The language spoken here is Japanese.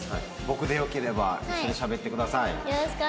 僕でよければ一緒にしゃべってください。